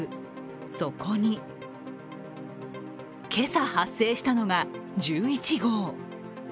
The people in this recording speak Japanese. そこに今朝発生したのが１１号。